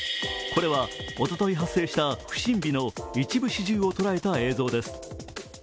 これはおととい発生した不審火の一部始終を捉えた映像です。